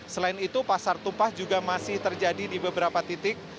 selain itu pasar tumpah juga masih terjadi di beberapa titik